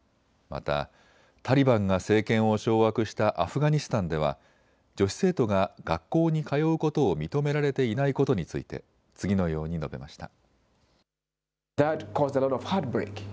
また、タリバンが政権を掌握したアフガニスタンでは女子生徒が学校に通うことを認められていないことについて次のように述べました。